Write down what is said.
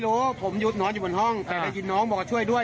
ฟันผมก็ฟันคืนแค่นั้นเนี่ย